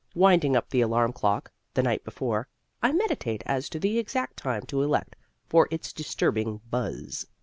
Winding up the alarm clock (the night before) I meditate as to the exact time to elect for its disturbing buzz.